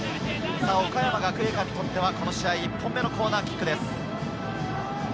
岡山学芸館にとっては、１本目のコーナーキックです。